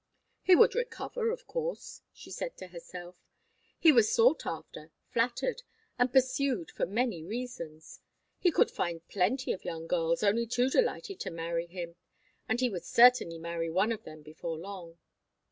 He would recover, of course, she said to herself. He was sought after, flattered, and pursued for many reasons. He could find plenty of young girls only too delighted to marry him, and he would certainly marry one of them before long.